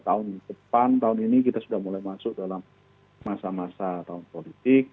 tahun depan tahun ini kita sudah mulai masuk dalam masa masa tahun politik